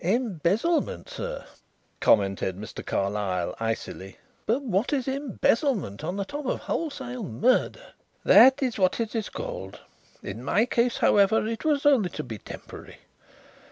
"Embezzlement, sir," commented Mr. Carlyle icily. "But what is embezzlement on the top of wholesale murder!" "That is what it is called. In my case, however, it was only to be temporary.